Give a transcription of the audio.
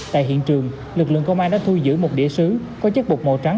tại hiện trường lực lượng công an đã thu giữ một địa sứ có chất bột màu trắng